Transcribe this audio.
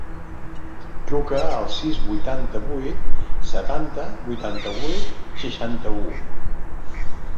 Truca al sis, vuitanta-vuit, setanta, vuitanta-vuit, seixanta-u.